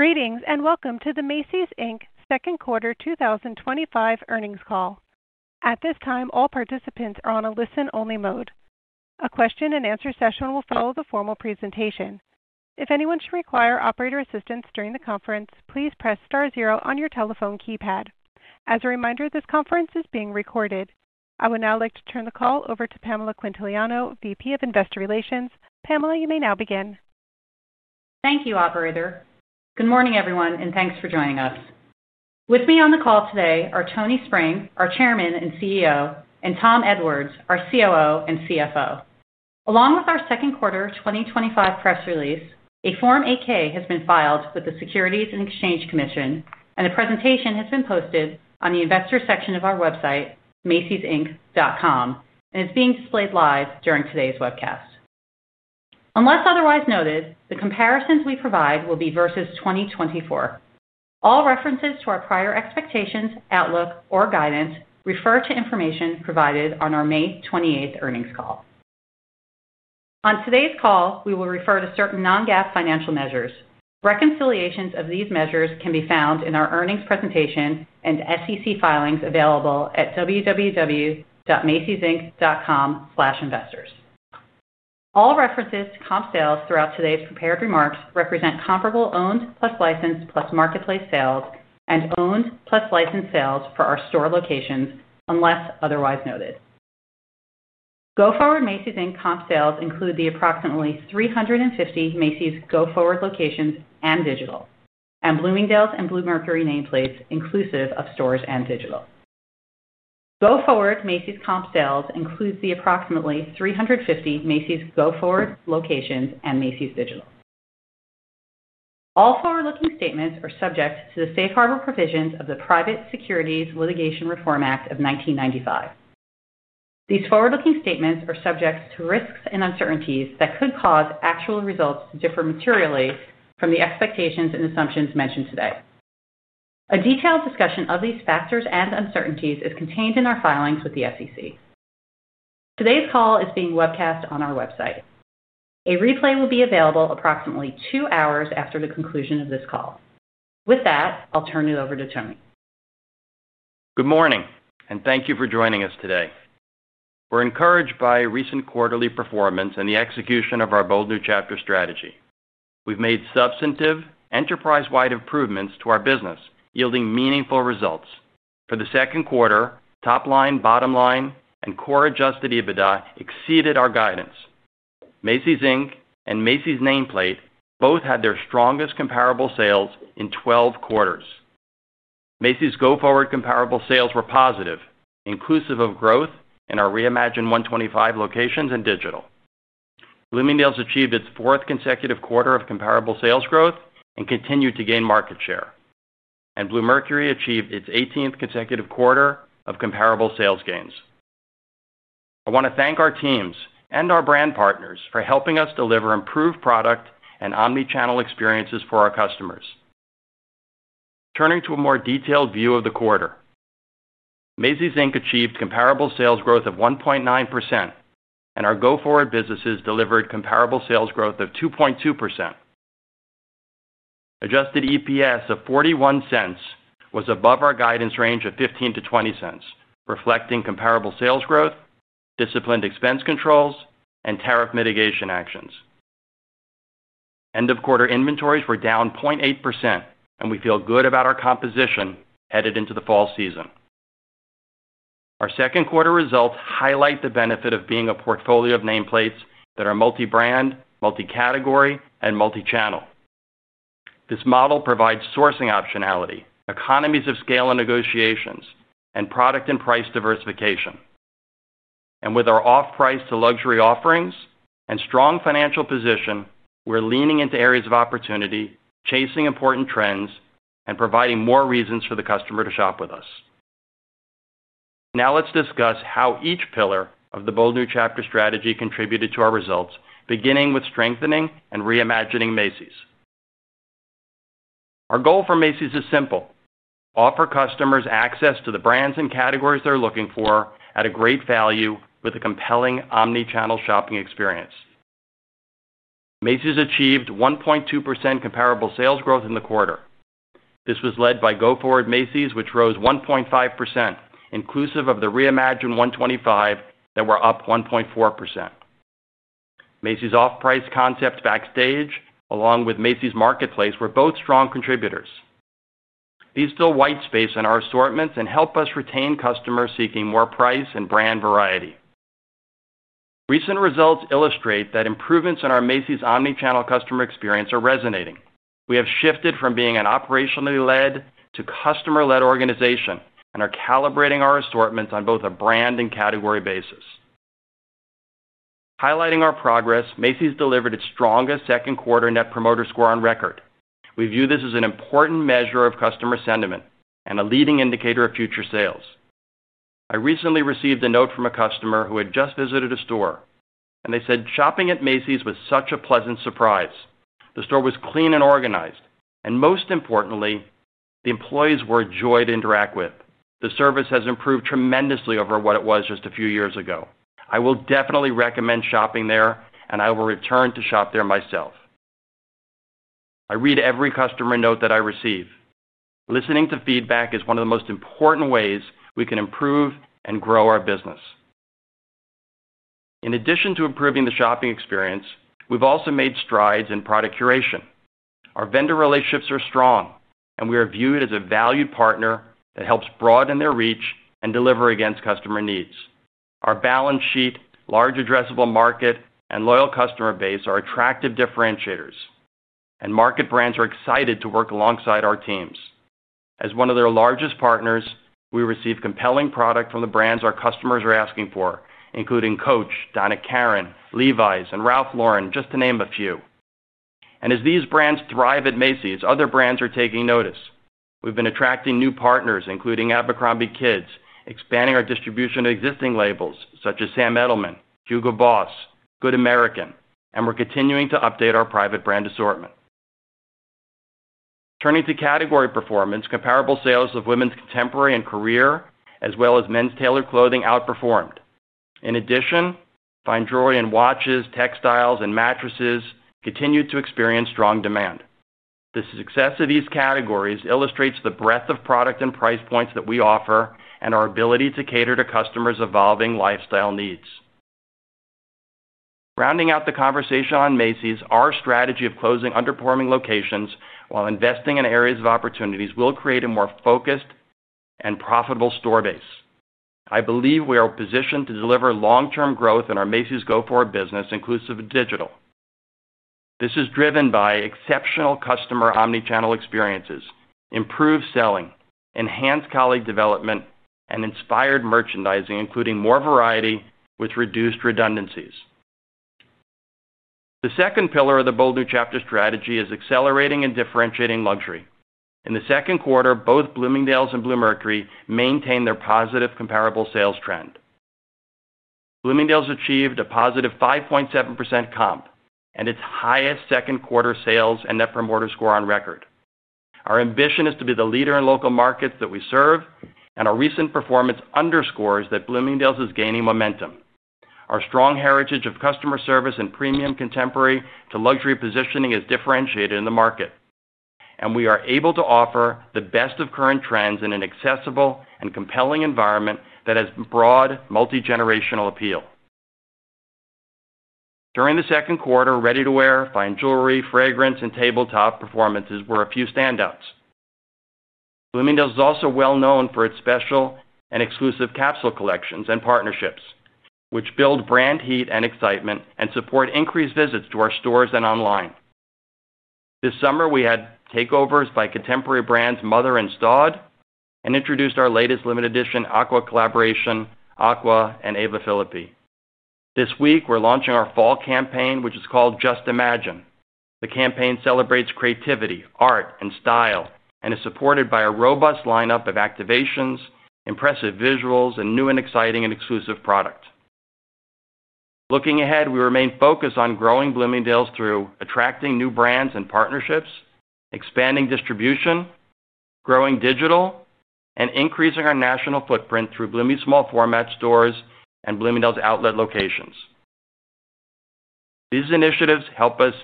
Greetings and welcome to the Macy's Inc. Second Quarter 2025 Earnings Call. At this time, all participants are on a listen-only mode. A question and answer session will follow the formal presentation. If anyone should require operator assistance during the conference, please press star zero on your telephone keypad. As a reminder, this conference is being recorded. I would now like to turn the call over to Pamela Quintiliano, V P of Investor Relations. Pamela, you may now begin. Thank you, operator. Good morning, everyone, and thanks for joining us. With me on the call today are Tony Spring, our Chairman and CEO, and Tom Edwards, our COO and CFO. Along with our second quarter 2025 press release, a Form 8-K has been filed with the Securities and Exchange Commission, and the presentation has been posted on the Investor section of our website, macysinc.com, and is being displayed live during today's webcast. Unless otherwise noted, the comparisons we provide will be versus 2024. All references to our prior expectations, outlook, or guidance refer to information provided on our May 28 earnings call. On today's call, we will refer to certain non-GAAP financial measures. Reconciliations of these measures can be found in our earnings presentation and SEC filings available at www.macysinc.com/investors. All references to comp sales throughout today's prepared remarks represent comparable owned plus licensed plus marketplace sales and owned plus licensed sales for our store locations, unless otherwise noted. Go-forward Macy's Inc. comp sales include the approximately 350 Macy's go-forward locations and digital, and Bloomingdale's and Bluemercury nameplates inclusive of stores and digital. Go-forward Macy's comp sales include the approximately 350 Macy's go-forward locations and Macy's digital. All forward-looking statements are subject to the safe harbor provisions of the Private Securities Litigation Reform Act of 1995. These forward-looking statements are subject to risks and uncertainties that could cause actual results to differ materially from the expectations and assumptions mentioned today. A detailed discussion of these factors and uncertainties is contained in our filings with the SEC. Today's call is being webcast on our website. A replay will be available approximately two hours after the conclusion of this call. With that, I'll turn it over to Tony. Good morning, and thank you for joining us today. We're encouraged by recent quarterly performance and the execution of our Bold New Chapter strategy. We've made substantive enterprise-wide improvements to our business, yielding meaningful results. For the second quarter, top line, bottom line, and core adjusted EBITDA exceeded our guidance. Macy's Inc. and Macy's nameplate both had their strongest comparable sales in 12 quarters. Macy's go-forward comparable sales were positive, inclusive of growth in our Reimagined 125 locations and digital. Bloomingdale's achieved its fourth consecutive quarter of comparable sales growth and continued to gain market share, and Bluemercury achieved its 18th consecutive quarter of comparable sales gains. I want to thank our teams and our brand partners for helping us deliver improved product and omnichannel experiences for our customers. Turning to a more detailed view of the quarter, Macy's Inc. achieved comparable sales growth of 1.9%, and our go-forward businesses delivered comparable sales growth of 2.2%. Adjusted EPS of $0.41 was above our guidance range of $0.15 - $0.20, reflecting comparable sales growth, disciplined expense controls, and tariff mitigation actions. End-of-quarter inventories were down 0.8%, and we feel good about our composition headed into the fall season. Our second quarter results highlight the benefit of being a portfolio of nameplates that are multi-brand, multi-category, and multi-channel. This model provides sourcing optionality, economies of scale in negotiations, and product and price diversification. With our off-price to luxury offerings and strong financial position, we're leaning into areas of opportunity, chasing important trends, and providing more reasons for the customer to shop with us. Now let's discuss how each pillar of the Bold New Chapter strategy contributed to our results, beginning with strengthening and reimagining Macy's. Our goal for Macy's is simple: offer customers access to the brands and categories they're looking for at a great value with a compelling omnichannel shopping experience. Macy's achieved 1.2% comparable sales growth in the quarter. This was led by go-forward Macy's, which rose 1.5%, inclusive of the Reimagined 125 that were up 1.4%. Macy's off-price concept Backstage, along with Macy's Marketplace, were both strong contributors. These fill whitespace in our assortments and help us retain customers seeking more price and brand variety. Recent results illustrate that improvements in our Macy's omnichannel customer experience are resonating. We have shifted from being an operationally led to customer-led organization and are calibrating our assortments on both a brand and category basis. Highlighting our progress, Macy's delivered its strongest second quarter net promoter score on record. We view this as an important measure of customer sentiment and a leading indicator of future sales. I recently received a note from a customer who had just visited a store, and they said shopping at Macy's was such a pleasant surprise. The store was clean and organized, and most importantly, the employees were joyed to interact with. The service has improved tremendously over what it was just a few years ago. I will definitely recommend shopping there, and I will return to shop there myself. I read every customer note that I receive. Listening to feedback is one of the most important ways we can improve and grow our business. In addition to improving the shopping experience, we've also made strides in product curation. Our vendor relationships are strong, and we are viewed as a valued partner that helps broaden their reach and deliver against customer needs. Our balance sheet, large addressable market, and loyal customer base are attractive differentiators, and market brands are excited to work alongside our teams. As one of their largest partners, we receive compelling product from the brands our customers are asking for, including COACH, Donna Karan, Levi's, and Ralph Lauren, just to name a few. As these brands thrive at Macy's, other brands are taking notice. We've been attracting new partners, including Abercrombie Kids, expanding our distribution of existing labels such as Sam Edelman, HUGO BOSS, Good American, and we're continuing to update our private brand assortment. Turning to category performance, comparable sales of women's contemporary and career, as well as men's tailored clothing, outperformed. In addition, fine jewelry and watches, textiles, and mattresses continue to experience strong demand. The success of these categories illustrates the breadth of product and price points that we offer and our ability to cater to customers' evolving lifestyle needs. Rounding out the conversation on Macy's, our strategy of closing underperforming locations while investing in areas of opportunities will create a more focused and profitable store base. I believe we are positioned to deliver long-term growth in our Macy's go-forward business, inclusive of digital. This is driven by exceptional customer omnichannel experiences, improved selling, enhanced colleague development, and inspired merchandising, including more variety with reduced redundancies. The second pillar of the Bold New Chapter strategy is accelerating and differentiating luxury. In the second quarter, both Bloomingdale's and Bluemercury maintained their positive comparable sales trend. Bloomingdale's achieved a positive 5.7% comp and its highest second quarter sales and net promoter score on record. Our ambition is to be the leader in local markets that we serve, and our recent performance underscores that Bloomingdale's is gaining momentum. Our strong heritage of customer service and premium contemporary to luxury positioning is differentiated in the market, and we are able to offer the best of current trends in an accessible and compelling environment that has broad multigenerational appeal. During the second quarter, ready-to-wear, fine jewelry, fragrance, and tabletop performances were a few standouts. Bloomingdale's is also well known for its special and exclusive capsule collections and partnerships, which build brand heat and excitement and support increased visits to our stores and online. This summer, we had takeovers by contemporary brands Mother and STAUD and introduced our latest limited edition Aqua collaboration, Aqua x Ava Phillippe. This week, we're launching our fall campaign, which is called Just Imagine. The campaign celebrates creativity, art, and style and is supported by a robust lineup of activations, impressive visuals, and new and exciting and exclusive product. Looking ahead, we remain focused on growing Bloomingdale's through attracting new brands and partnerships, expanding distribution, growing digital, and increasing our national footprint through Bloomies small format stores and Bloomingdale's outlet locations. These initiatives help us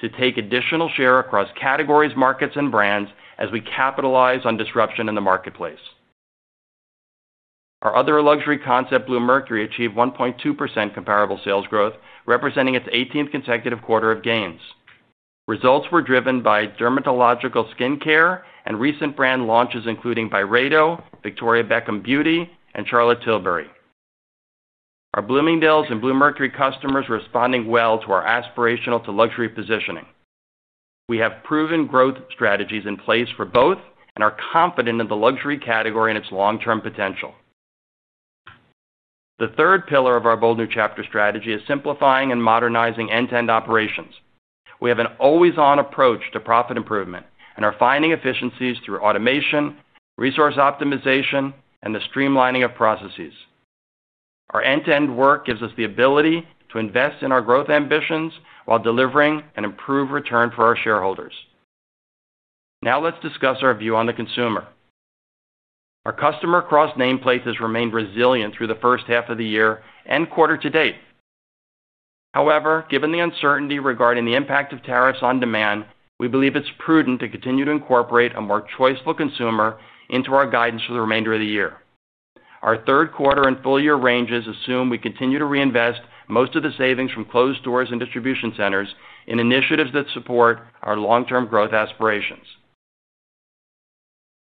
to take additional share across categories, markets, and brands as we capitalize on disruption in the marketplace. Our other luxury concept, Bluemercury, achieved 1.2% comparable sales growth, representing its 18th consecutive quarter of gains. Results were driven by dermatological skincare and recent brand launches, including Byredo, Victoria Beckham Beauty, and Charlotte Tilbury. Our Bloomingdale's and Bluemercury customers are responding well to our aspirational to luxury positioning. We have proven growth strategies in place for both and are confident in the luxury category and its long-term potential. The third pillar of our Bold New Chapter strategy is simplifying and modernizing end-to-end operations. We have an always-on approach to profit improvement and are finding efficiencies through automation, resource optimization, and the streamlining of processes. Our end-to-end work gives us the ability to invest in our growth ambitions while delivering an improved return for our shareholders. Now let's discuss our view on the consumer. Our customer across nameplates has remained resilient through the first half of the year and quarter to date. However, given the uncertainty regarding the impact of tariffs on demand, we believe it's prudent to continue to incorporate a more choiceful consumer into our guidance for the remainder of the year. Our third quarter and full-year ranges assume we continue to reinvest most of the savings from closed stores and distribution centers in initiatives that support our long-term growth aspirations.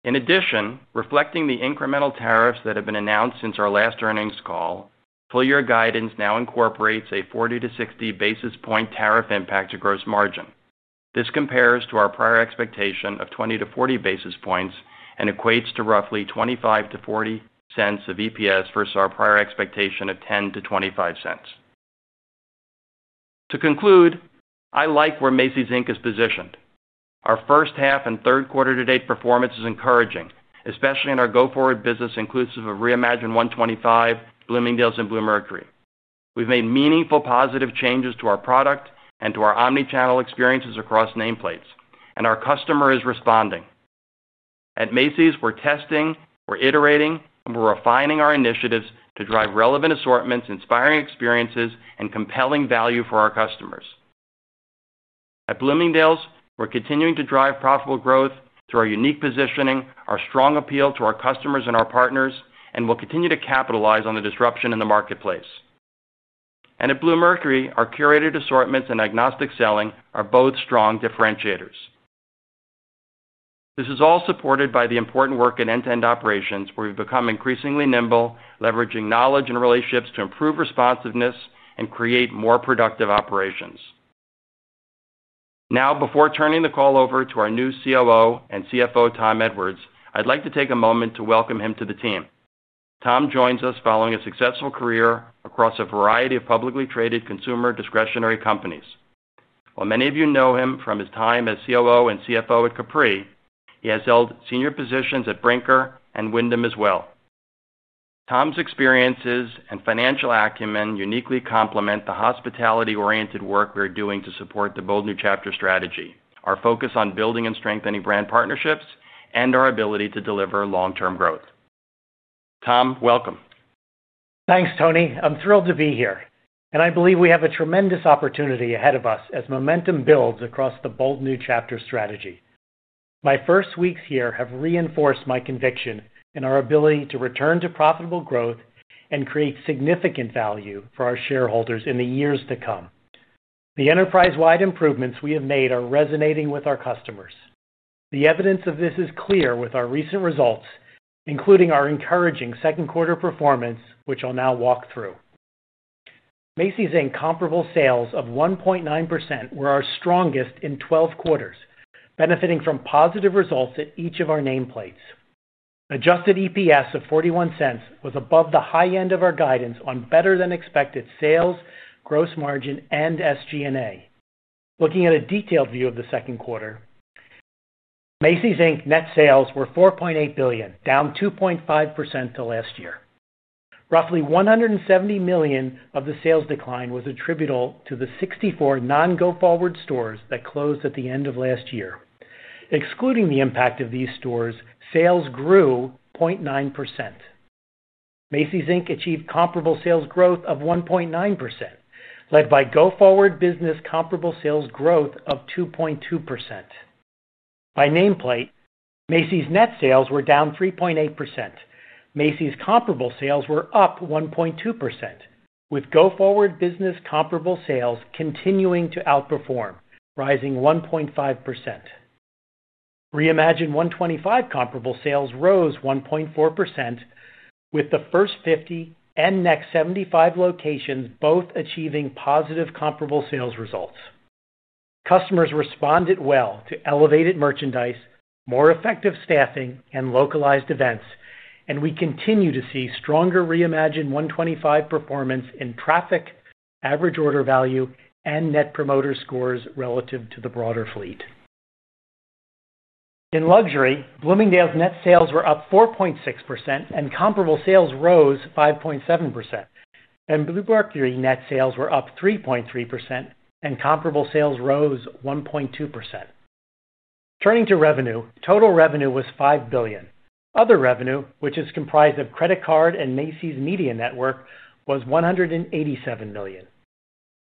In addition, reflecting the incremental tariffs that have been announced since our last earnings call, full-year guidance now incorporates a 40 to 60 basis point tariff impact to gross margin. This compares to our prior expectation of 20 to 40 basis points and equates to roughly $0.25 - $0.40 of EPS versus our prior expectation of $0.10 - $0.25. To conclude, I like where Macy's Inc. is positioned. Our first half and third quarter to date performance is encouraging, especially in our go-forward business, inclusive of Reimagined 125, Bloomingdale's, and Bluemercury. We've made meaningful positive changes to our product and to our omnichannel experiences across nameplates, and our customer is responding. At Macy's, we're testing, we're iterating, and we're refining our initiatives to drive relevant assortments, inspiring experiences, and compelling value for our customers. At Bloomingdale's, we're continuing to drive profitable growth through our unique positioning, our strong appeal to our customers and our partners, and we'll continue to capitalize on the disruption in the marketplace. At Bluemercury, our curated assortments and agnostic selling are both strong differentiators. This is all supported by the important work in end-to-end operations, where we've become increasingly nimble, leveraging knowledge and relationships to improve responsiveness and create more productive operations. Now, before turning the call over to our new COO and CFO, Tom Edwards, I'd like to take a moment to welcome him to the team. Tom joins us following a successful career across a variety of publicly traded consumer discretionary companies. While many of you know him from his time as COO and CFO at Capri, he has held senior positions at Brinker and Wyndham as well. Tom's experiences and financial acumen uniquely complement the hospitality-oriented work we're doing to support the Bold New Chapter strategy, our focus on building and strengthening brand partnerships, and our ability to deliver long-term growth. Tom, welcome. Thanks, Tony. I'm thrilled to be here, and I believe we have a tremendous opportunity ahead of us as momentum builds across the Bold New Chapter strategy. My first weeks here have reinforced my conviction in our ability to return to profitable growth and create significant value for our shareholders in the years to come. The enterprise-wide improvements we have made are resonating with our customers. The evidence of this is clear with our recent results, including our encouraging second quarter performance, which I'll now walk through. Macy's Inc. comparable sales of 1.9% were our strongest in 12 quarters, benefiting from positive results at each of our nameplates. Adjusted EPS of $0.41 was above the high end of our guidance on better-than-expected sales, gross margin, and SG&A. Looking at a detailed view of the second quarter, Macy's Inc. net sales were $4.8 billion, down 2.5% to last year. Roughly $170 million of the sales decline was attributable to the 64 non-go-forward stores that closed at the end of last year. Excluding the impact of these stores, sales grew 0.9%. Macy's Inc. achieved comparable sales growth of 1.9%, led by go-forward business comparable sales growth of 2.2%. By nameplate, Macy's net sales were down 3.8%. Macy's comparable sales were up 1.2%, with go-forward business comparable sales continuing to outperform, rising 1.5%. Reimagined 125 comparable sales rose 1.4%, with the first 50 and next 75 locations both achieving positive comparable sales results. Customers responded well to elevated merchandise, more effective staffing, and localized events, and we continue to see stronger Reimagined 125 performance in traffic, average order value, and net promoter scores relative to the broader fleet. In luxury, Bloomingdale's net sales were up 4.6%, and comparable sales rose 5.7%. In Bluemercury, net sales were up 3.3%, and comparable sales rose 1.2%. Turning to revenue, total revenue was $5 billion. Other revenue, which is comprised of credit card and Macy's Media Network, was $187 million.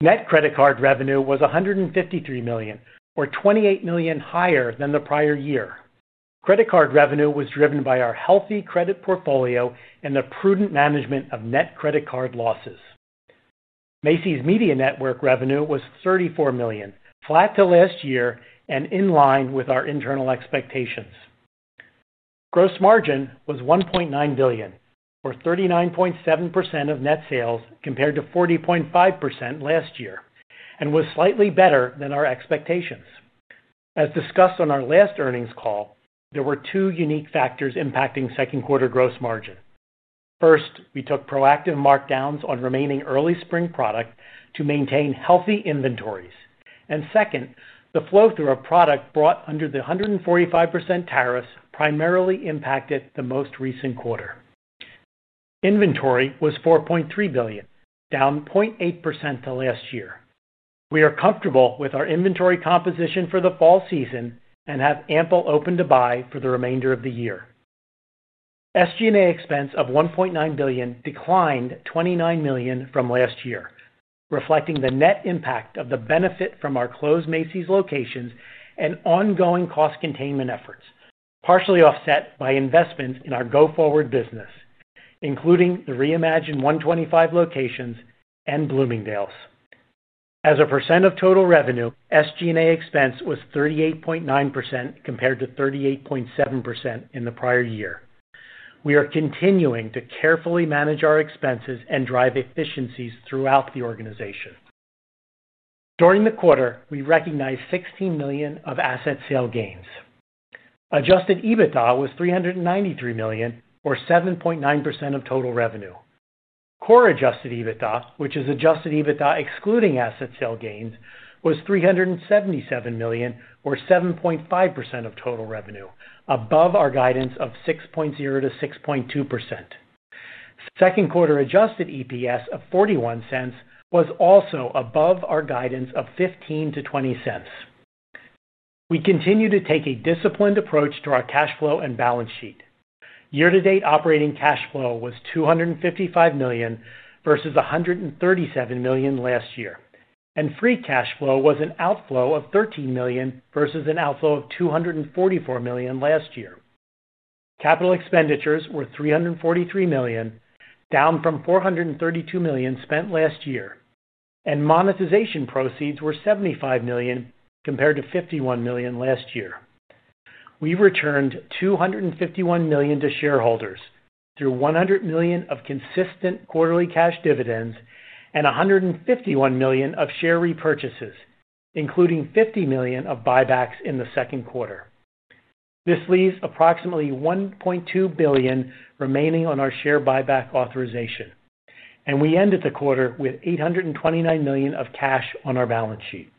Net credit card revenue was $153 million, or $28 million higher than the prior year. Credit card revenue was driven by our healthy credit portfolio and the prudent management of net credit card losses. Macy's Media Network revenue was $34 million, flat to last year and in line with our internal expectations. Gross margin was $1.9 billion, or 39.7% of net sales compared to 40.5% last year, and was slightly better than our expectations. As discussed on our last earnings call, there were two unique factors impacting second quarter gross margin. First, we took proactive markdowns on remaining early spring product to maintain healthy inventories, and second, the flow through our product brought under the 145% tariffs primarily impacted the most recent quarter. Inventory was $4.3 billion, down 0.8% to last year. We are comfortable with our inventory composition for the fall season and have ample open to buy for the remainder of the year. SG&A expense of $1.9 billion declined $29 million from last year, reflecting the net impact of the benefit from our closed Macy's locations and ongoing cost containment efforts, partially offset by investments in our go-forward business, including the Reimagined 125 locations and Bloomingdale's. As a percent of total revenue, SG&A expense was 38.9% compared to 38.7% in the prior year. We are continuing to carefully manage our expenses and drive efficiencies throughout the organization. During the quarter, we recognized $16 million of asset sale gains. Adjusted EBITDA was $393 million, or 7.9% of total revenue. Core adjusted EBITDA, which is adjusted EBITDA excluding asset sale gains, was $377 million, or 7.5% of total revenue, above our guidance of 6.0% - 6.2%. Second quarter adjusted EPS of $0.41 was also above our guidance of $0.15 - $0.20. We continue to take a disciplined approach to our cash flow and balance sheet. Year-to-date operating cash flow was $255 million versus $137 million last year, and free cash flow was an outflow of $13 million versus an outflow of $244 million last year. Capital expenditures were $343 million, down from $432 million spent last year, and monetization proceeds were $75 million compared to $51 million last year. We returned $251 million to shareholders through $100 million of consistent quarterly cash dividends and $151 million of share repurchases, including $50 million of buybacks in the second quarter. This leaves approximately $1.2 billion remaining on our share buyback authorization, and we ended the quarter with $829 million of cash on our balance sheet.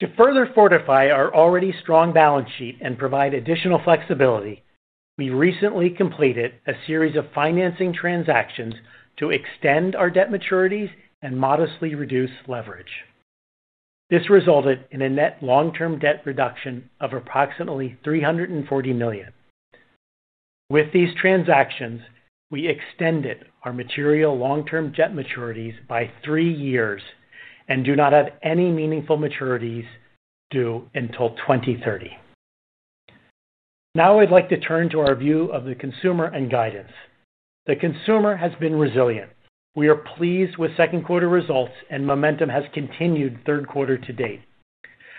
To further fortify our already strong balance sheet and provide additional flexibility, we recently completed a series of financing transactions to extend our debt maturities and modestly reduce leverage. This resulted in a net long-term debt reduction of approximately $340 million. With these transactions, we extended our material long-term debt maturities by three years and do not have any meaningful maturities due until 2030. Now I'd like to turn to our view of the consumer and guidance. The consumer has been resilient. We are pleased with second quarter results, and momentum has continued third quarter to date.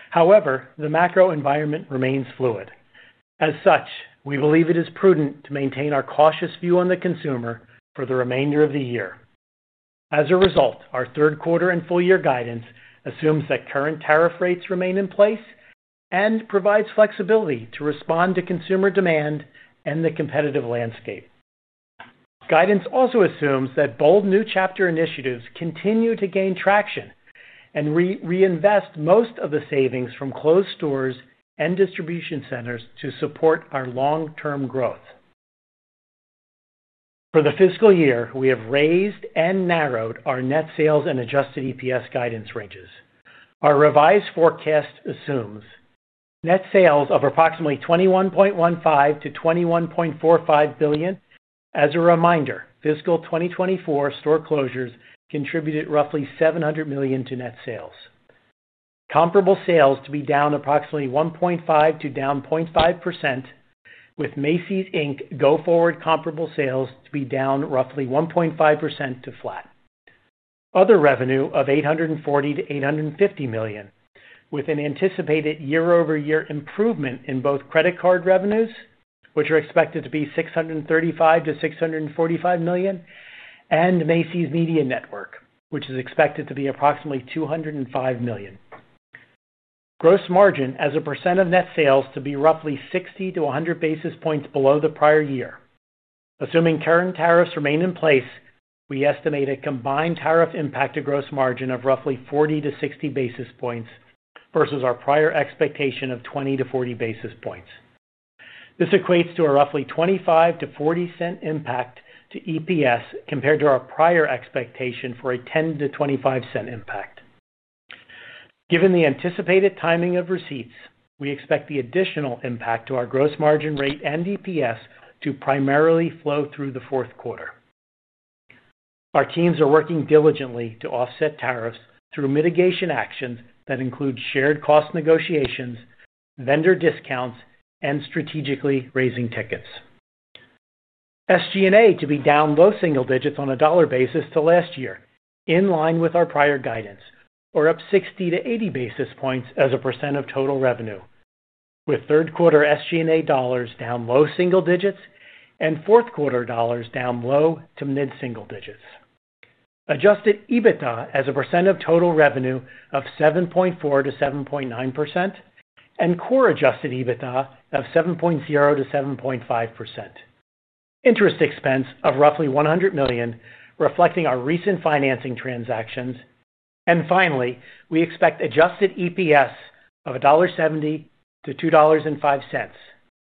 However, the macro environment remains fluid. As such, we believe it is prudent to maintain our cautious view on the consumer for the remainder of the year. As a result, our third quarter and full-year guidance assumes that current tariff rates remain in place and provides flexibility to respond to consumer demand and the competitive landscape. Guidance also assumes that Bold New Chapter initiatives continue to gain traction and reinvest most of the savings from closed stores and distribution centers to support our long-term growth. For the fiscal year, we have raised and narrowed our net sales and adjusted EPS guidance ranges. Our revised forecast assumes net sales of approximately $21.15 - $21.45 billion. As a reminder, fiscal 2024 store closures contributed roughly $700 million to net sales. Comparable sales to be down approximately 1.5% to down 0.5%, with Macy's Inc. go-forward comparable sales to be down roughly 1.5% to flat. Other revenue of $840 million- $850 million, with an anticipated year-over-year improvement in both credit card revenues, which are expected to be $635 million- $645 million, and Macy's Media Network, which is expected to be approximately $205 million. Gross margin as a percent of net sales to be roughly 60 to 100 basis points below the prior year. Assuming current tariffs remain in place, we estimate a combined tariff impact to gross margin of roughly 40 to 60 basis points versus our prior expectation of 20 to 40 basis points. This equates to a roughly $0.25- $0.40 impact to EPS compared to our prior expectation for a $0.10- $0.25 impact. Given the anticipated timing of receipts, we expect the additional impact to our gross margin rate and EPS to primarily flow through the fourth quarter. Our teams are working diligently to offset tariffs through mitigation actions that include shared cost negotiations, vendor discounts, and strategically raising tickets. SG&A to be down low single digits on a dollar basis to last year, in line with our prior guidance, or up 60 to 80 basis points as a percent of total revenue, with third quarter SG&A dollars down low single digits and fourth quarter dollars down low to mid-single digits. Adjusted EBITDA as a percent of total revenue of 7.4%- 7.9%, and core adjusted EBITDA of 7.0%- 7.5%. Interest expense of roughly $100 million, reflecting our recent financing transactions. Finally, we expect adjusted EPS of $1.70- $2.05,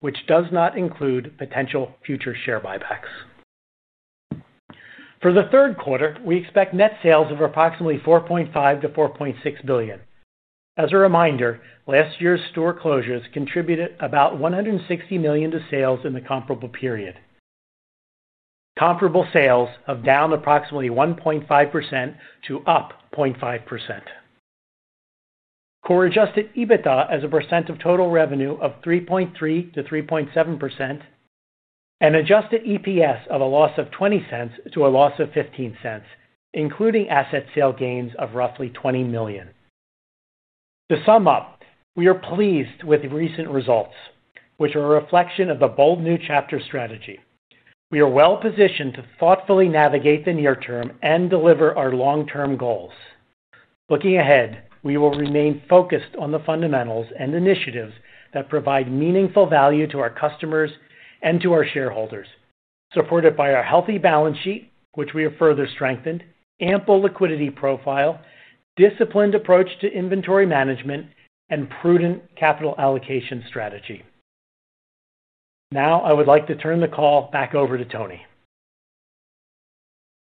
which does not include potential future share buybacks. For the third quarter, we expect net sales of approximately $4.5- $4.6 billion. As a reminder, last year's store closures contributed about $160 million to sales in the comparable period. Comparable sales of down approximately 1.5% to up 0.5%. Core adjusted EBITDA as a percent of total revenue of 3.3%- 3.7%, and adjusted EPS of a loss of $0.20 to a loss of $0.15, including asset sale gains of roughly $20 million. To sum up, we are pleased with recent results, which are a reflection of the Bold New Chapter strategy. We are well positioned to thoughtfully navigate the near term and deliver our long-term goals. Looking ahead, we will remain focused on the fundamentals and initiatives that provide meaningful value to our customers and to our shareholders, supported by our healthy balance sheet, which we have further strengthened, ample liquidity profile, disciplined approach to inventory management, and prudent capital allocation strategy. Now, I would like to turn the call back over to Tony.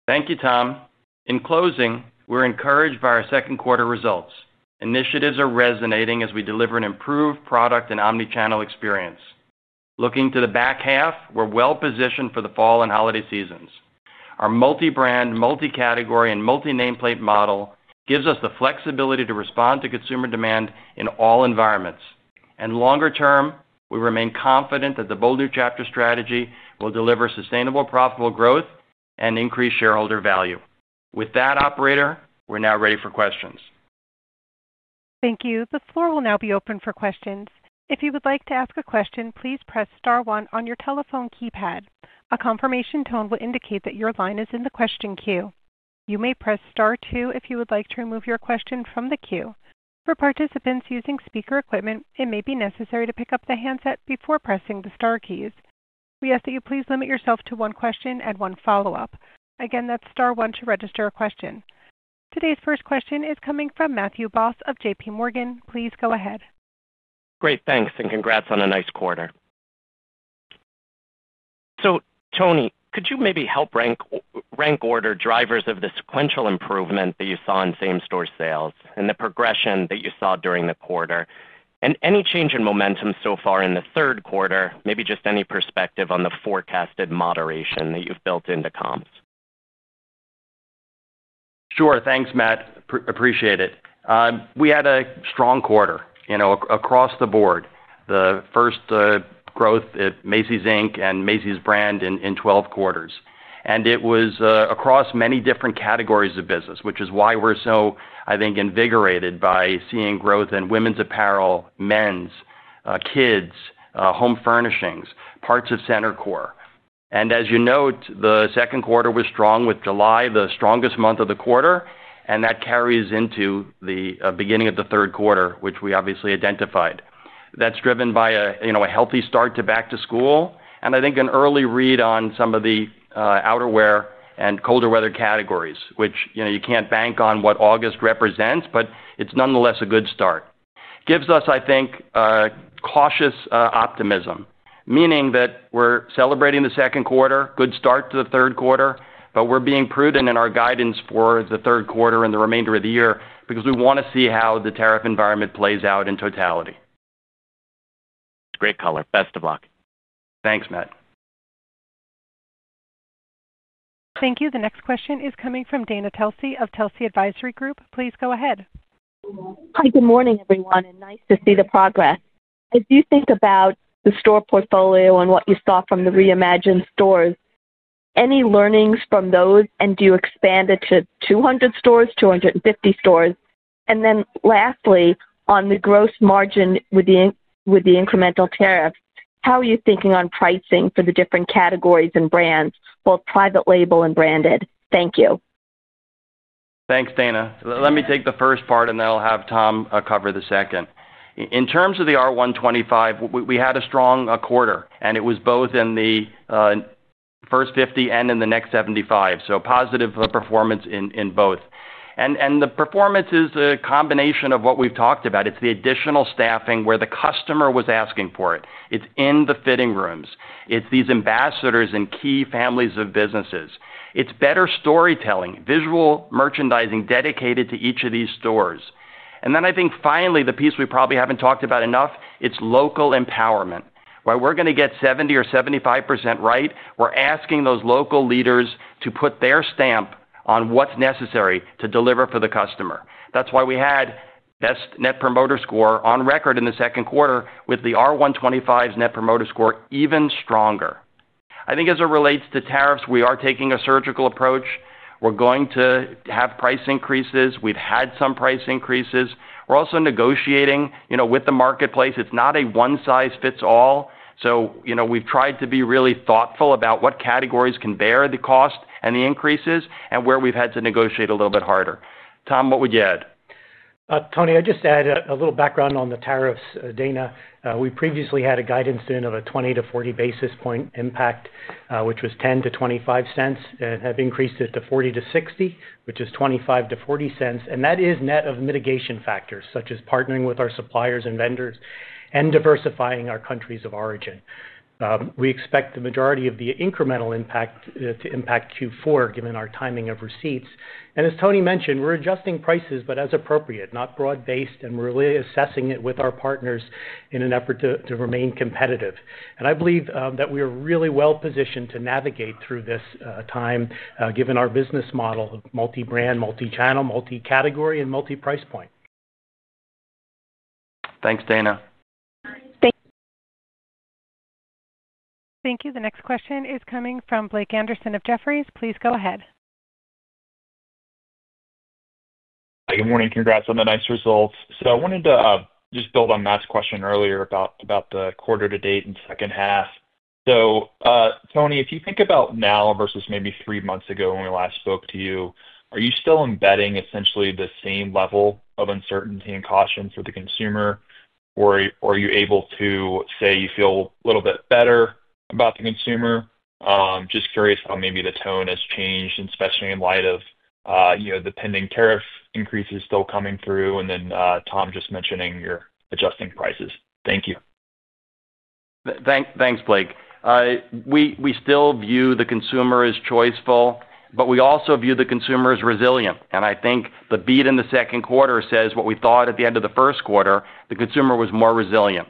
Thank you, Tom. In closing, we're encouraged by our second quarter results. Initiatives are resonating as we deliver an improved product and omnichannel experience. Looking to the back half, we're well positioned for the fall and holiday seasons. Our multi-brand, multi-category, and multi-nameplate model gives us the flexibility to respond to consumer demand in all environments. Longer term, we remain confident that the Bold New Chapter strategy will deliver sustainable, profitable growth and increased shareholder value. With that, operator, we're now ready for questions. Thank you. The floor will now be open for questions. If you would like to ask a question, please press star one on your telephone keypad. A confirmation tone will indicate that your line is in the question queue. You may press star two if you would like to remove your question from the queue. For participants using speaker equipment, it may be necessary to pick up the handset before pressing the star keys. We ask that you please limit yourself to one question and one follow-up. Again, that's star one to register a question. Today's first question is coming from Matthew Boss of JP Morgan. Please go ahead. Great, thanks, and congrats on a nice quarter. Tony, could you maybe help rank order drivers of the sequential improvement that you saw in same-store sales and the progression that you saw during the quarter? Any change in momentum so far in the third quarter? Maybe just any perspective on the forecasted moderation that you've built into comps? Sure, thanks, Matt. Appreciate it. We had a strong quarter across the board. The first growth at Macy's Inc. and Macy's brand in 12 quarters. It was across many different categories of business, which is why we're so, I think, invigorated by seeing growth in women's apparel, men's, kids, home furnishings, parts of center core. The second quarter was strong with July, the strongest month of the quarter, and that carries into the beginning of the third quarter, which we obviously identified. That's driven by a healthy start to back to school, and I think an early read on some of the outerwear and colder weather categories, which, you know, you can't bank on what August represents, but it's nonetheless a good start. Gives us, I think, cautious optimism, meaning that we're celebrating the second quarter, good start to the third quarter, but we're being prudent in our guidance for the third quarter and the remainder of the year because we want to see how the tariff environment plays out in totality. Great caller. Best of luck. Thanks, Matt. Thank you. The next question is coming from Dana Telsey of Telsey Advisory Group. Please go ahead. Hi, good morning, everyone, and nice to see the progress. As you think about the store portfolio and what you saw from the Reimagined stores, any learnings from those, and do you expand it to 200 stores, 250 stores? Lastly, on the gross margin with the incremental tariffs, how are you thinking on pricing for the different categories and brands, both private label and branded? Thank you. Thanks, Dana. Let me take the first part, and then I'll have Tom cover the second. In terms of the Reimagined 125 stores, we had a strong quarter, and it was both in the first 50 and in the next 75. Positive performance in both. The performance is a combination of what we've talked about. It's the additional staffing where the customer was asking for it. It's in the fitting rooms. It's these ambassadors and key families of businesses. It's better storytelling, visual merchandising dedicated to each of these stores. I think finally, the piece we probably haven't talked about enough, it's local empowerment. While we're going to get 70% or 75% right, we're asking those local leaders to put their stamp on what's necessary to deliver for the customer. That's why we had best net promoter score on record in the second quarter, with the R125 stores' net promoter score even stronger. I think as it relates to tariffs, we are taking a surgical approach. We're going to have price increases. We've had some price increases. We're also negotiating with the marketplace. It's not a one-size-fits-all. We've tried to be really thoughtful about what categories can bear the cost and the increases and where we've had to negotiate a little bit harder. Tom, what would you add? Tony, I'd just add a little background on the tariffs, Dana. We previously had a guidance in of a 20 to 40 basis point impact, which was $0.10- $0.25, and have increased it to 40 to 60 basis points, which is $0.25- $0.40. That is net of mitigation factors, such as partnering with our suppliers and vendors and diversifying our countries of origin. We expect the majority of the incremental impact to impact Q4, given our timing of receipts. As Tony mentioned, we're adjusting prices, but as appropriate, not broad-based, and we're really assessing it with our partners in an effort to remain competitive. I believe that we are really well positioned to navigate through this time, given our business model of multi-brand, multi-channel, multi-category, and multi-price point. Thanks, Dana. Thank you. The next question is coming from Blake Anderson of Jefferies. Please go ahead. Good morning. Congrats on the nice results. I wanted to just build on the last question earlier about the quarter to date and second half. Tony, if you think about now versus maybe three months ago when we last spoke to you, are you still embedding essentially the same level of uncertainty and caution for the consumer, or are you able to say you feel a little bit better about the consumer? I'm just curious how maybe the tone has changed, especially in light of the pending tariff increases still coming through and then Tom just mentioning you're adjusting prices. Thank you. Thanks, Blake. We still view the consumer as choiceful, but we also view the consumer as resilient. I think the beat in the second quarter says what we thought at the end of the first quarter, the consumer was more resilient.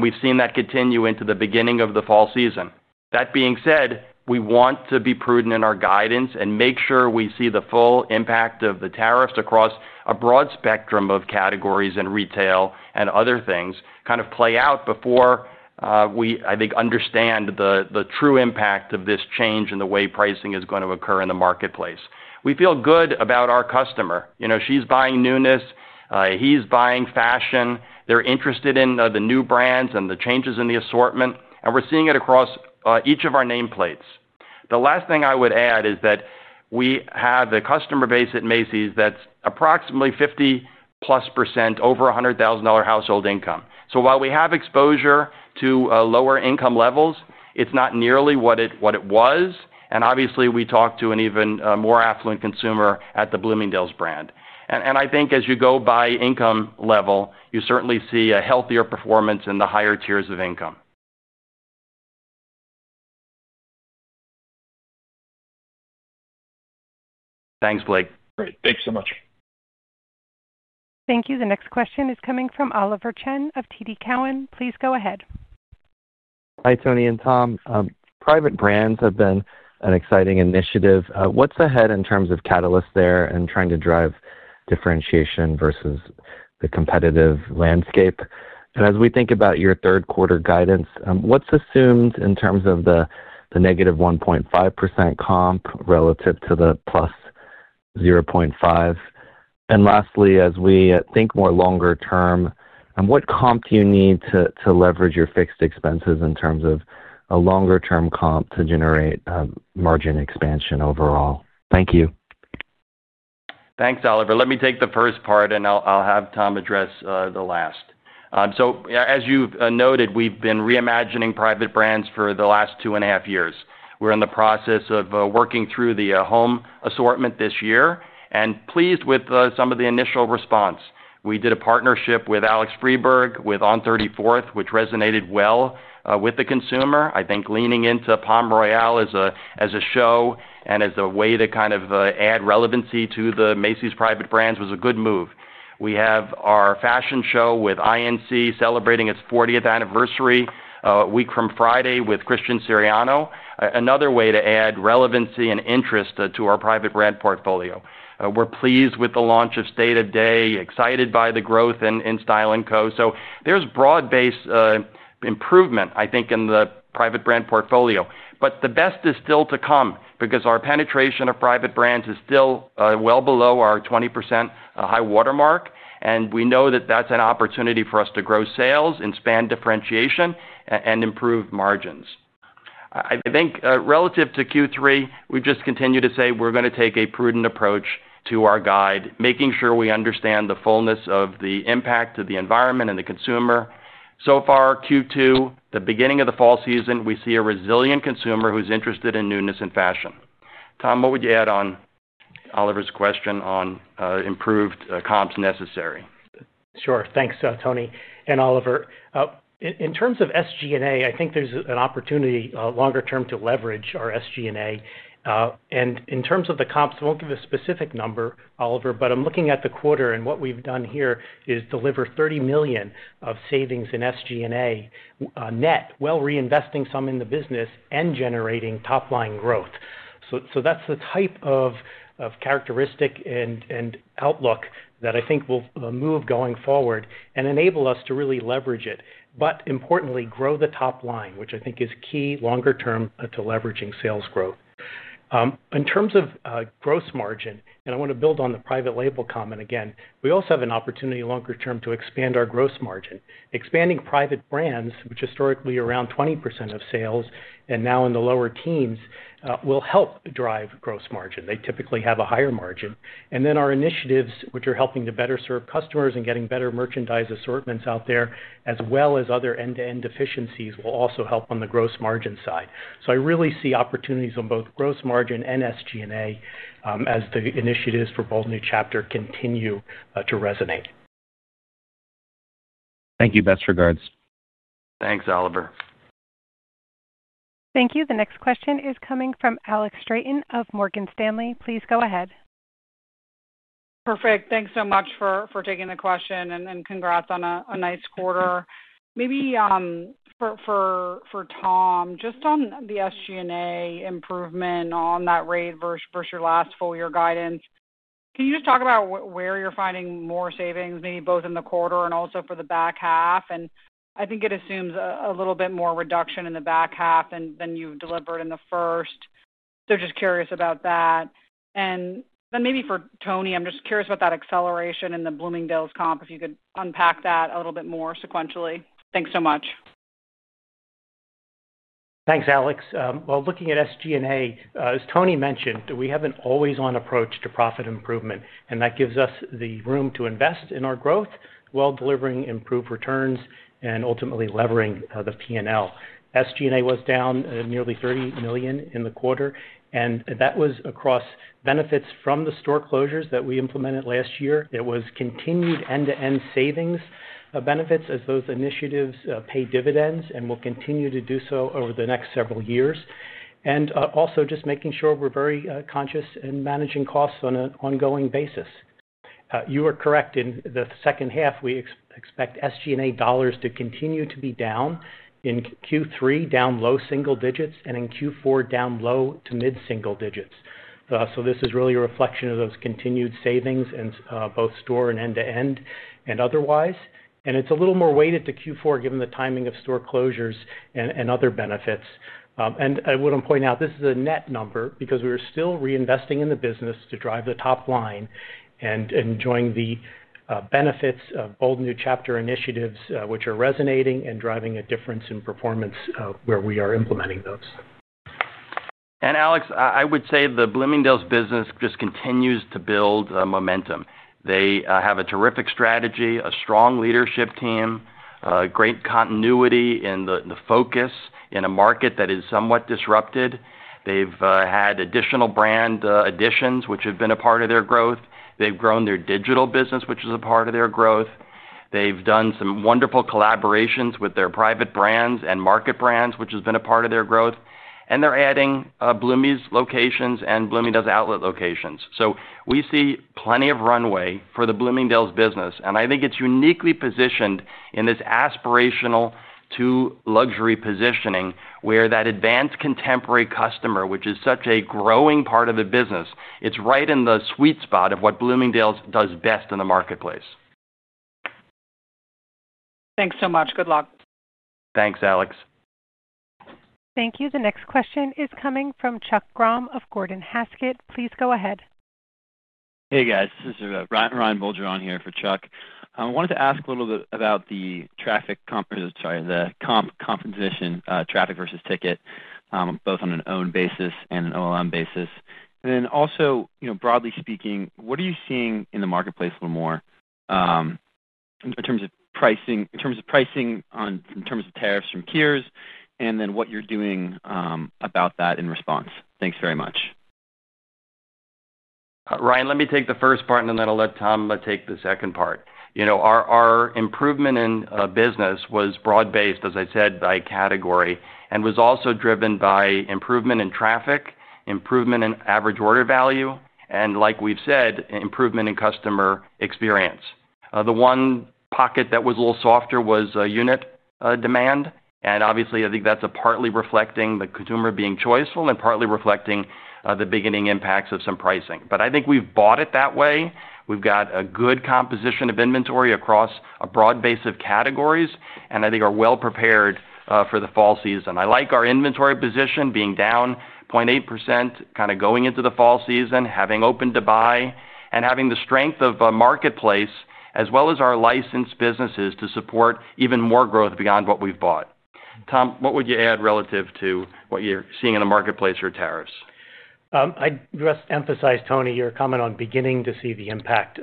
We've seen that continue into the beginning of the fall season. That being said, we want to be prudent in our guidance and make sure we see the full impact of the tariffs across a broad spectrum of categories and retail and other things kind of play out before we, I think, understand the true impact of this change in the way pricing is going to occur in the marketplace. We feel good about our customer. You know, she's buying newness. He's buying fashion. They're interested in the new brands and the changes in the assortment. We're seeing it across each of our nameplates. The last thing I would add is that we have a customer base at Macy's that's approximately 50+% over $100,000 household income. While we have exposure to lower income levels, it's not nearly what it was. Obviously, we talk to an even more affluent consumer at the Bloomingdale's brand. I think as you go by income level, you certainly see a healthier performance in the higher tiers of income. Thanks, Blake. Great. Thank you so much. Thank you. The next question is coming from Oliver Chen of TD Cowen. Please go ahead. Hi, Tony and Tom. Private brands have been an exciting initiative. What's ahead in terms of catalysts there and trying to drive differentiation versus the competitive landscape? As we think about your third quarter guidance, what's assumed in terms of the - 1.5% comp relative to the + 0.5%? Lastly, as we think more longer term, what comp do you need to leverage your fixed expenses in terms of a longer-term comp to generate margin expansion overall? Thank you. Thanks, Oliver. Let me take the first part, and I'll have Tom address the last. As you noted, we've been reimagining private brands for the last two and a half years. We're in the process of working through the home assortment this year and pleased with some of the initial response. We did a partnership with Alex Freberg with On 34th, which resonated well with the consumer. I think leaning into Palm Royale as a show and as a way to kind of add relevancy to the Macy's private brands was a good move. We have our fashion show with INC celebrating its 40th anniversary a week from Friday with Christian Siriano, another way to add relevancy and interest to our private brand portfolio. We're pleased with the launch of State of Day, excited by the growth in Style & Co. There's broad-based improvement, I think, in the private brand portfolio. The best is still to come because our penetration of private brands is still well below our 20% high watermark. We know that that's an opportunity for us to grow sales and expand differentiation and improve margins. I think relative to Q3, we've just continued to say we're going to take a prudent approach to our guide, making sure we understand the fullness of the impact to the environment and the consumer. So far, Q2, the beginning of the fall season, we see a resilient consumer who's interested in newness and fashion. Tom, what would you add on Oliver's question on improved comps necessary? Sure. Thanks, Tony and Oliver. In terms of SG&A, I think there's an opportunity longer term to leverage our SG&A. In terms of the comps, I won't give a specific number, Oliver, but I'm looking at the quarter and what we've done here is deliver $30 million of savings in SG&A net, while reinvesting some in the business and generating top line growth. That's the type of characteristic and outlook that I think will move going forward and enable us to really leverage it. Importantly, grow the top line, which I think is key longer term to leveraging sales growth. In terms of gross margin, and I want to build on the private label comment again, we also have an opportunity longer term to expand our gross margin. Expanding private brands, which are historically around 20% of sales and now in the lower teens, will help drive gross margin. They typically have a higher margin. Our initiatives, which are helping to better serve customers and getting better merchandise assortments out there, as well as other end-to-end efficiencies, will also help on the gross margin side. I really see opportunities on both gross margin and SG&A as the initiatives for Bold New Chapter continue to resonate. Thank you. Best regards. Thanks, Oliver. Thank you. The next question is coming from Alex Straton of Morgan Stanley. Please go ahead. Perfect. Thanks so much for taking the question and congrats on a nice quarter. Maybe for Tom, just on the SG&A improvement on that rate versus your last full-year guidance, can you just talk about where you're finding more savings, maybe both in the quarter and also for the back half? I think it assumes a little bit more reduction in the back half than you've delivered in the first. Just curious about that. Maybe for Tony, I'm just curious about that acceleration in the Bloomingdale's comp, if you could unpack that a little bit more sequentially. Thanks so much. Thanks, Alex. Looking at SG&A, as Tony mentioned, we have an always-on approach to profit improvement, and that gives us the room to invest in our growth while delivering improved returns and ultimately levering the P&L. SG&A was down nearly $30 million in the quarter, and that was across benefits from the store closures that we implemented last year. It was continued end-to-end savings benefits as those initiatives pay dividends and will continue to do so over the next several years. Also, just making sure we're very conscious in managing costs on an ongoing basis. You are correct in the second half, we expect SG&A dollars to continue to be down in Q3, down low single digits, and in Q4, down low to mid-single digits. This is really a reflection of those continued savings in both store and end-to-end and otherwise. It's a little more weighted to Q4 given the timing of store closures and other benefits. I would point out this is a net number because we are still reinvesting in the business to drive the top line and enjoying the benefits of Bold New Chapter initiatives, which are resonating and driving a difference in performance where we are implementing those. Alex, I would say the Bloomingdale's business just continues to build momentum. They have a terrific strategy, a strong leadership team, and great continuity in the focus in a market that is somewhat disrupted. They've had additional brand additions, which have been a part of their growth. They've grown their digital business, which is a part of their growth. They've done some wonderful collaborations with their private brands and market brands, which has been a part of their growth. They're adding Bloomies locations and Bloomingdale's outlet locations. We see plenty of runway for the Bloomingdale's business. I think it's uniquely positioned in this aspirational to luxury positioning where that advanced contemporary customer, which is such a growing part of the business, it's right in the sweet spot of what Bloomingdale's does best in the marketplace. Thanks so much. Good luck. Thanks, Alex. Thank you. The next question is coming from Chuck Grom of Gordon Haskett. Please go ahead. Hey, guys. This is Ryan Bulger here for Chuck. I wanted to ask a little bit about the traffic compensation, traffic versus ticket, both on an owned basis and an OLM basis. Also, broadly speaking, what are you seeing in the marketplace a little more in terms of pricing, in terms of pricing on, in terms of tariffs from Kiers, and then what you're doing about that in response? Thanks very much. Ryan, let me take the first part, and then I'll let Tom take the second part. Our improvement in business was broad-based, as I said, by category and was also driven by improvement in traffic, improvement in average order value, and like we've said, improvement in customer experience. The one pocket that was a little softer was unit demand. Obviously, I think that's partly reflecting the consumer being choiceful and partly reflecting the beginning impacts of some pricing. I think we've bought it that way. We've got a good composition of inventory across a broad base of categories, and I think are well prepared for the fall season. I like our inventory position being down 0.8% going into the fall season, having open to buy, and having the strength of a marketplace as well as our licensed businesses to support even more growth beyond what we've bought. Tom, what would you add relative to what you're seeing in the marketplace for tariffs? I'd just emphasize, Tony, your comment on beginning to see the impact.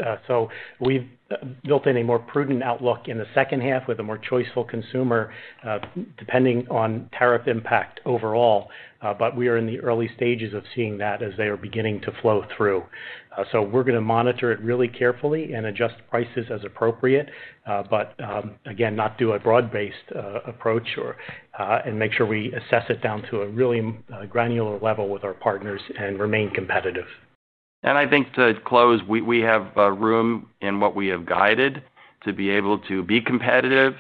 We have built in a more prudent outlook in the second half with a more choiceful consumer depending on tariff impact overall. We are in the early stages of seeing that as they are beginning to flow through. We are going to monitor it really carefully and adjust prices as appropriate, again, not do a broad-based approach and make sure we assess it down to a really granular level with our partners and remain competitive. I think to close, we have room in what we have guided to be able to be competitive,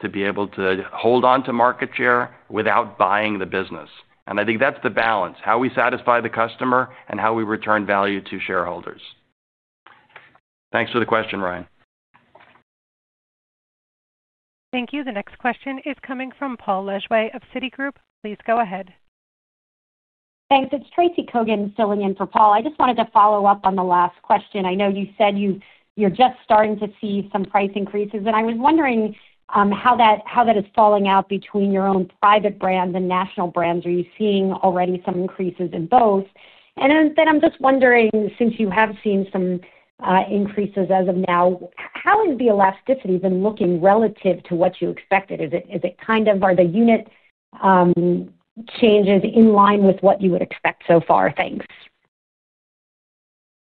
to be able to hold on to market share without buying the business. I think that's the balance, how we satisfy the customer and how we return value to shareholders. Thanks for the question, Ryan. Thank you. The next question is coming from Paul A. Smith of Citigroup. Please go ahead. Thanks. It's Tracy Kogan filling in for Paul. I just wanted to follow up on the last question. I know you said you're just starting to see some price increases, and I was wondering how that is falling out between your own private brands and national brands. Are you seeing already some increases in both? I'm just wondering, since you have seen some increases as of now, how has the elasticity been looking relative to what you expected? Is it kind of, are the unit changes in line with what you would expect so far? Thanks.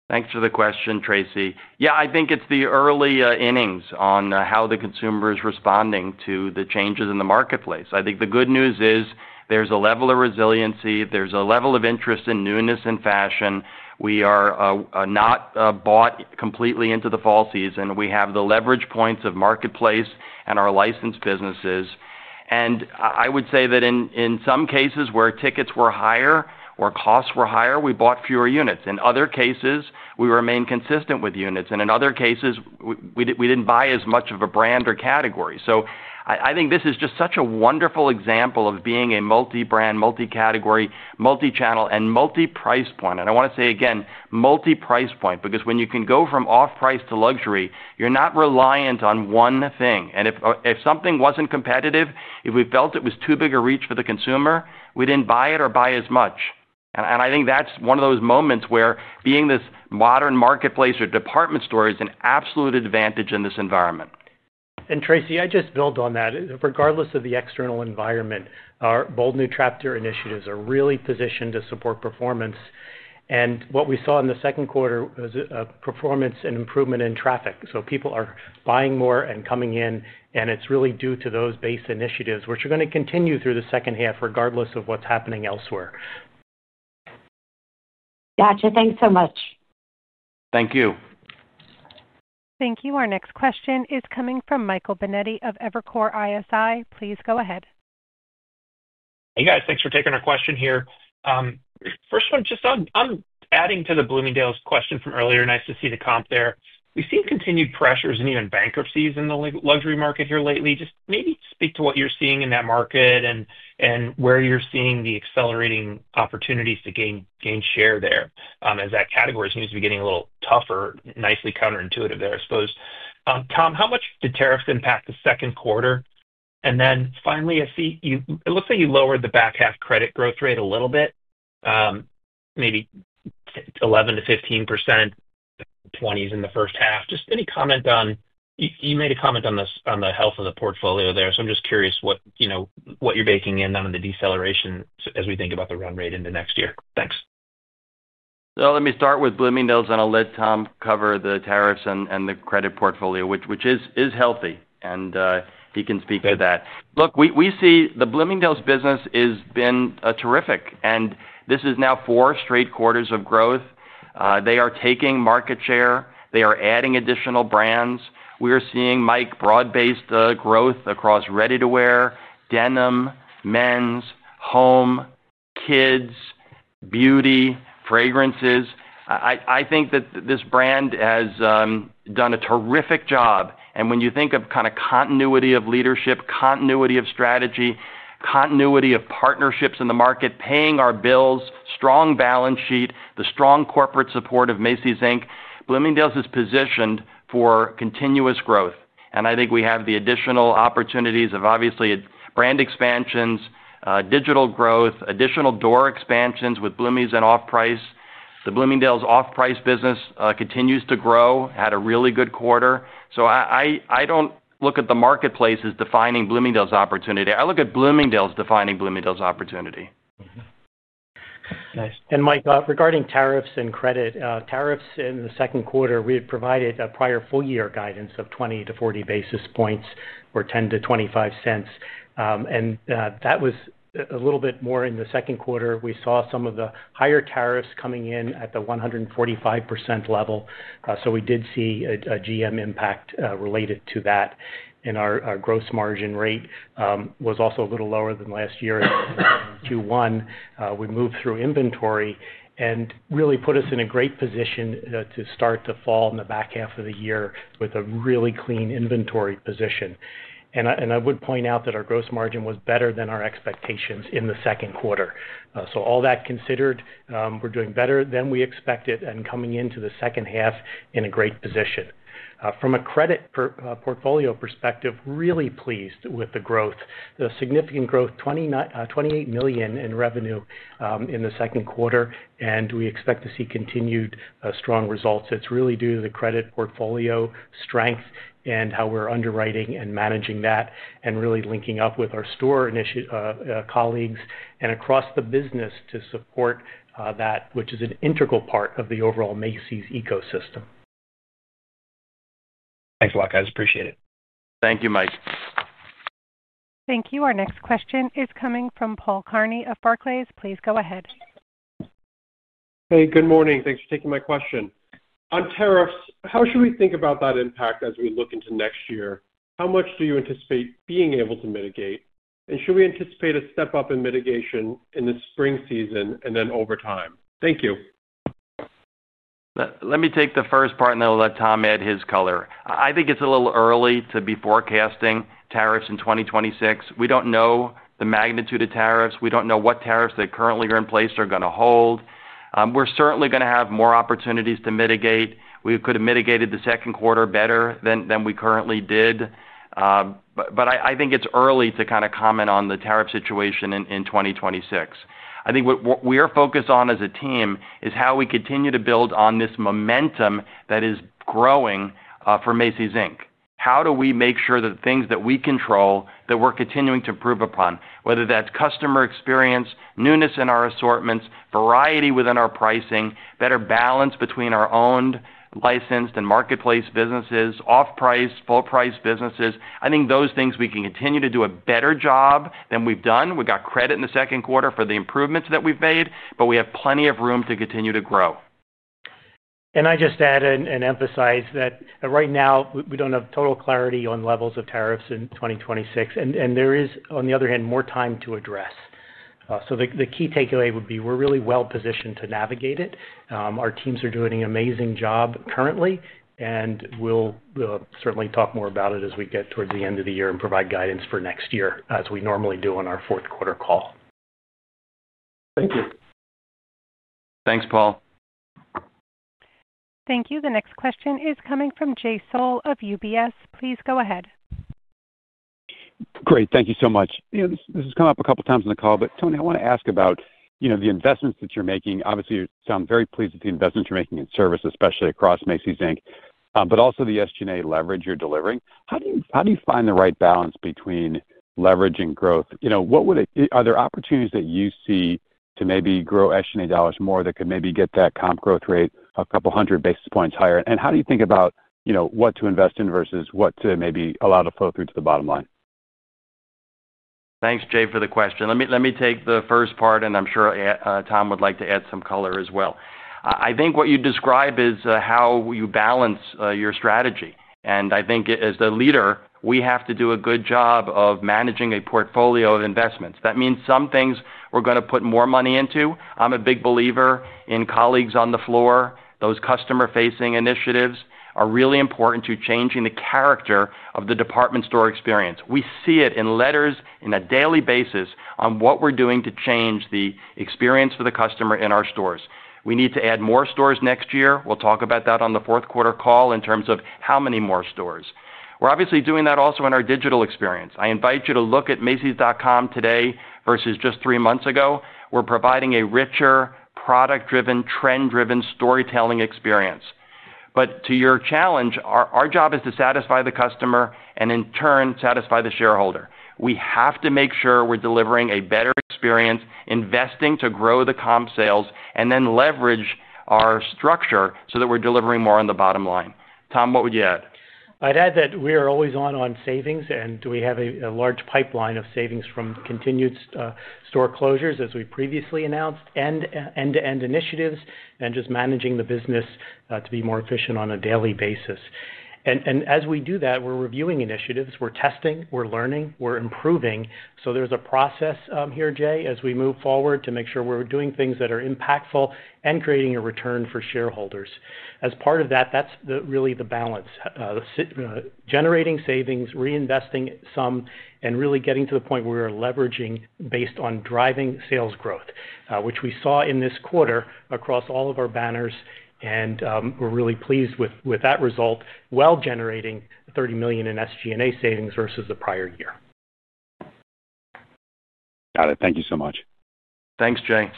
Thanks for the question, Tracy. Yeah, I think it's the early innings on how the consumer is responding to the changes in the marketplace. I think the good news is there's a level of resiliency, there's a level of interest in newness and fashion. We are not bought completely into the fall season. We have the leverage points of marketplace and our licensed businesses. I would say that in some cases where tickets were higher or costs were higher, we bought fewer units. In other cases, we remain consistent with units, and in other cases, we didn't buy as much of a brand or category. I think this is just such a wonderful example of being a multi-brand, multi-category, multi-channel, and multi-price point. I want to say again, multi-price point, because when you can go from off-price to luxury, you're not reliant on one thing. If something wasn't competitive, if we felt it was too big a reach for the consumer, we didn't buy it or buy as much. I think that's one of those moments where being this modern marketplace or department store is an absolute advantage in this environment. Tracy, I'd just build on that. Regardless of the external environment, our Bold New Chapter initiatives are really positioned to support performance. What we saw in the second quarter was performance and improvement in traffic. People are buying more and coming in, and it's really due to those base initiatives, which are going to continue through the second half regardless of what's happening elsewhere. Gotcha. Thanks so much. Thank you. Thank you. Our next question is coming from Michael Binetti of Evercore ISI. Please go ahead. Hey, guys. Thanks for taking our question here. First one, just on adding to the Bloomingdale's question from earlier, nice to see the comp there. We've seen continued pressures and even bankruptcies in the luxury market here lately. Just maybe speak to what you're seeing in that market and where you're seeing the accelerating opportunities to gain share there, as that category seems to be getting a little tougher, nicely counterintuitive there, I suppose. Tom, how much did tariffs impact the second quarter? Finally, I see it looks like you lowered the back half credit growth rate a little bit, maybe 11% - 15%, 20% in the first half. Just any comment on, you made a comment on the health of the portfolio there. I'm just curious what you're baking in on the deceleration as we think about the run rate into next year. Thanks. Let me start with Bloomingdale's and I'll let Tom cover the tariffs and the credit portfolio, which is healthy, and he can speak to that. Look, we see the Bloomingdale's business has been terrific, and this is now four straight quarters of growth. They are taking market share. They are adding additional brands. We are seeing broad-based growth across ready-to-wear, denim, men's, home, kids, beauty, fragrances. I think that this brand has done a terrific job. When you think of kind of continuity of leadership, continuity of strategy, continuity of partnerships in the market, paying our bills, strong balance sheet, the strong corporate support of Macy's Inc., Bloomingdale's is positioned for continuous growth. I think we have the additional opportunities of obviously brand expansions, digital growth, additional door expansions with Bloomie's and off-price. The Bloomingdale's off-price business continues to grow, had a really good quarter. I don't look at the marketplace as defining Bloomingdale's opportunity. I look at Bloomingdale's defining Bloomingdale's opportunity. Nice. Mike, regarding tariffs and credit, tariffs in the second quarter, we had provided a prior full-year guidance of 20 to 40 basis points or $0.10- $0.25. That was a little bit more in the second quarter. We saw some of the higher tariffs coming in at the 145% level. We did see a GM impact related to that, and our gross margin rate was also a little lower than last year. Q1 we moved through inventory and really put us in a great position to start the fall and the back half of the year with a really clean inventory position. I would point out that our gross margin was better than our expectations in the second quarter. All that considered, we're doing better than we expected and coming into the second half in a great position. From a credit portfolio perspective, really pleased with the growth, the significant growth, $28 million in revenue in the second quarter, and we expect to see continued strong results. It's really due to the credit portfolio strength and how we're underwriting and managing that and really linking up with our store colleagues and across the business to support that, which is an integral part of the overall Macy's ecosystem. Thanks a lot, guys. Appreciate it. Thank you, Mike. Thank you. Our next question is coming from Paul Kearney of Barclays. Please go ahead. Hey, good morning. Thanks for taking my question. On tariffs, how should we think about that impact as we look into next year? How much do you anticipate being able to mitigate? Should we anticipate a step up in mitigation in the spring season and then over time? Thank you. Let me take the first part, and then I'll let Tom add his color. I think it's a little early to be forecasting tariffs in 2026. We don't know the magnitude of tariffs. We don't know what tariffs that currently are in place are going to hold. We're certainly going to have more opportunities to mitigate. We could have mitigated the second quarter better than we currently did. I think it's early to comment on the tariff situation in 2026. I think what we are focused on as a team is how we continue to build on this momentum that is growing for Macy's Inc. How do we make sure that the things that we control, that we're continuing to improve upon, whether that's customer experience, newness in our assortments, variety within our pricing, better balance between our owned, licensed, and marketplace businesses, off-price, full-price businesses? I think those things we can continue to do a better job than we've done. We've got credit in the second quarter for the improvements that we've made, but we have plenty of room to continue to grow. I just added and emphasize that right now we don't have total clarity on levels of tariffs in 2026, and there is, on the other hand, more time to address. The key takeaway would be we're really well positioned to navigate it. Our teams are doing an amazing job currently, and we'll certainly talk more about it as we get towards the end of the year and provide guidance for next year as we normally do on our fourth quarter call. Thank you. Thanks, Paul. Thank you. The next question is coming from Jay Sole of UBS. Please go ahead. Great. Thank you so much. This has come up a couple of times in the call, but Tony, I want to ask about the investments that you're making. Obviously, you sound very pleased with the investments you're making in service, especially across Macy's Inc., but also the SG&A leverage you're delivering. How do you find the right balance between leverage and growth? Are there opportunities that you see to maybe grow SG&A dollars more that could maybe get that comp growth rate a couple hundred basis points higher? How do you think about what to invest in versus what to maybe allow to flow through to the bottom line? Thanks, Jay, for the question. Let me take the first part, and I'm sure Tom would like to add some color as well. I think what you describe is how you balance your strategy. I think as the leader, we have to do a good job of managing a portfolio of investments. That means some things we're going to put more money into. I'm a big believer in colleagues on the floor. Those customer-facing initiatives are really important to changing the character of the department store experience. We see it in letters on a daily basis on what we're doing to change the experience for the customer in our stores. We need to add more stores next year. We'll talk about that on the fourth quarter call in terms of how many more stores. We're obviously doing that also in our digital experience. I invite you to look at Macys.com today versus just three months ago. We're providing a richer, product-driven, trend-driven storytelling experience. To your challenge, our job is to satisfy the customer and in turn satisfy the shareholder. We have to make sure we're delivering a better experience, investing to grow the comp sales, and then leverage our structure so that we're delivering more on the bottom line. Tom, what would you add? I'd add that we are always on savings, and we have a large pipeline of savings from continued store closures, as we previously announced, and end-to-end initiatives, and just managing the business to be more efficient on a daily basis. As we do that, we're reviewing initiatives, we're testing, we're learning, we're improving. There is a process here, Jay, as we move forward to make sure we're doing things that are impactful and creating a return for shareholders. As part of that, that's really the balance: generating savings, reinvesting some, and really getting to the point where we are leveraging based on driving sales growth, which we saw in this quarter across all of our banners, and we're really pleased with that result, generating $30 million in SG&A savings versus the prior year. Got it. Thank you so much. Thanks, Jay.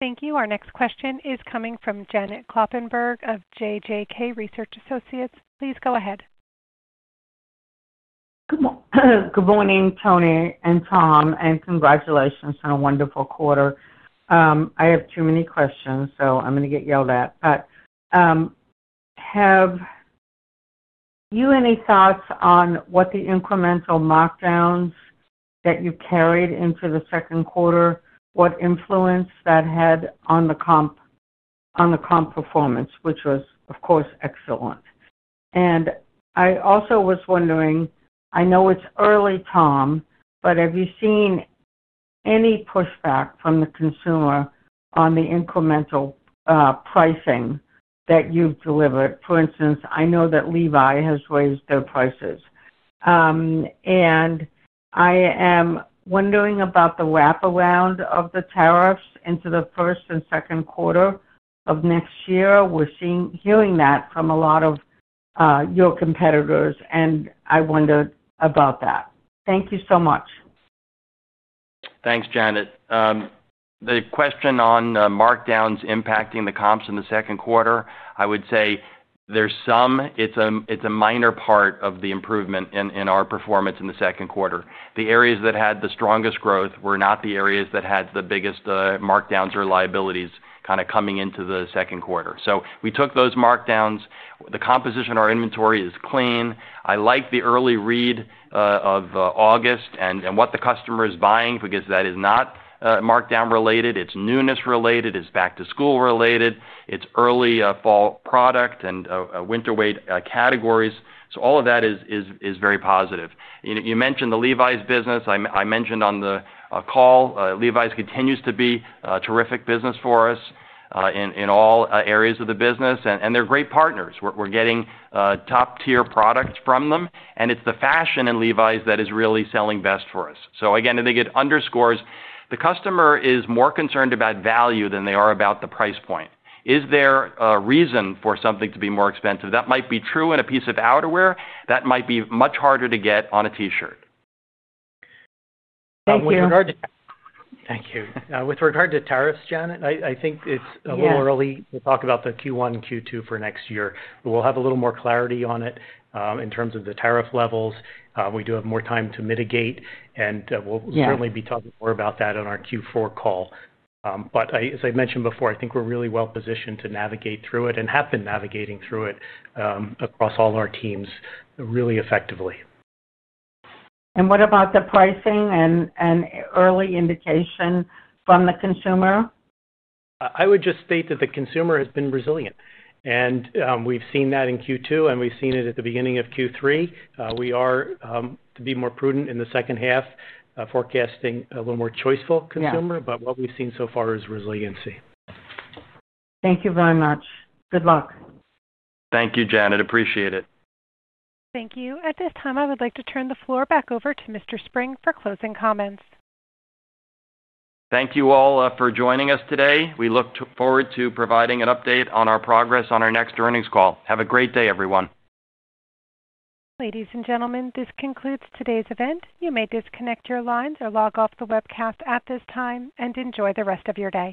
Thank you. Our next question is coming from Janet Kloppenburg of JJK Research Associates. Please go ahead. Good morning, Tony and Tom, and congratulations on a wonderful quarter. I have too many questions, so I'm going to get yelled at. Do you have any thoughts on what the incremental markdowns that you've carried into the second quarter, what influence that had on the comp performance, which was, of course, excellent? I also was wondering, I know it's early, Tom, but have you seen any pushback from the consumer on the incremental pricing that you've delivered? For instance, I know that Levi's has raised their prices. I am wondering about the wrap-around of the tariffs into the first and second quarter of next year. We're hearing that from a lot of your competitors, and I wondered about that. Thank you so much. Thanks, Janet. The question on markdowns impacting the comps in the second quarter, I would say there's some, it's a minor part of the improvement in our performance in the second quarter. The areas that had the strongest growth were not the areas that had the biggest markdowns or liabilities coming into the second quarter. We took those markdowns. The composition of our inventory is clean. I like the early read of August and what the customer is buying because that is not markdown related. It's newness related. It's back to school related. It's early fall product and winter weight categories. All of that is very positive. You mentioned the Levi's business. I mentioned on the call, Levi's continues to be a terrific business for us in all areas of the business, and they're great partners. We're getting top-tier products from them, and it's the fashion in Levi's that is really selling best for us. I think it underscores the customer is more concerned about value than they are about the price point. Is there a reason for something to be more expensive? That might be true in a piece of outerwear. That might be much harder to get on a t-shirt. Thank you. Thank you. With regard to tariffs, Janet, I think it's a little early to talk about the Q1, Q2 for next year. We'll have a little more clarity on it in terms of the tariff levels. We do have more time to mitigate, and we'll certainly be talking more about that on our Q4 call. As I mentioned before, I think we're really well positioned to navigate through it and have been navigating through it across all our teams really effectively. What about the pricing and early indication from the consumer? I would just state that the consumer has been resilient, and we've seen that in Q2, and we've seen it at the beginning of Q3. We are to be more prudent in the second half, forecasting a little more choiceful consumer, but what we've seen so far is resiliency. Thank you very much. Good luck. Thank you, Janet. Appreciate it. Thank you. At this time, I would like to turn the floor back over to Mr. Spring for closing comments. Thank you all for joining us today. We look forward to providing an update on our progress on our next earnings call. Have a great day, everyone. Ladies and gentlemen, this concludes today's event. You may disconnect your lines or log off the webcast at this time and enjoy the rest of your day.